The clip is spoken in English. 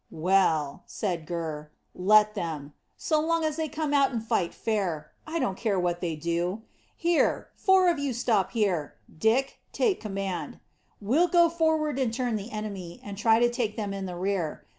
"Well," said Gurr, "let them. So long as they come out and fight fair, I don't care what they do. Here, four of you stop here; Dick, take command. We'll go forward and turn the enemy, and try to take them in the rear.